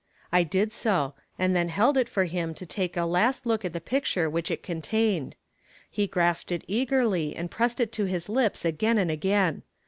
I did so, and then held it for him to take a last look at the picture which it contained. He grasped it eagerly and pressed it to his lips again and again.